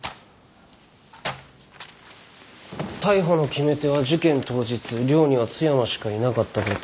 逮捕の決め手は事件当日寮には津山しかいなかったこと。